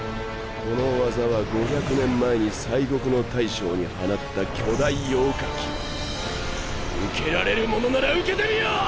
この技は５００年前に西国の大将に放った巨大妖火球。受けられるものなら受けてみよ！